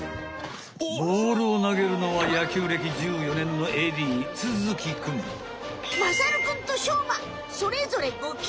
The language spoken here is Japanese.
ボールをなげるのはまさるくんとしょうまそれぞれ５球。